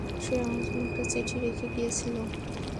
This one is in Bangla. সে আমার জন্য একটা চিঠি রেখে গিয়েছিল।